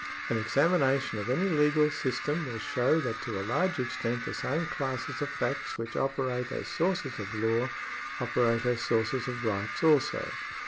An examination of any legal system will show that to a large extent the same classes of facts which operate as sources of law operate as sources of rights also.